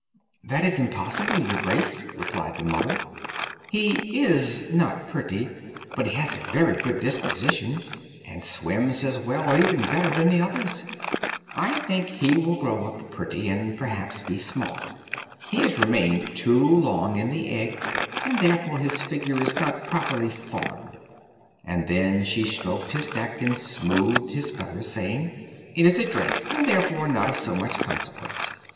"That is impossible, your grace," replied the mother; "he is not pretty; but he has a very good disposition, and swims as well or even better than the others. I think he will grow up pretty, and perhaps be smaller; he has remained too long in the egg, and therefore his figure is not properly formed;" and then she stroked his neck and smoothed the feathers, saying, "It is a drake, and therefore not of so much consequence.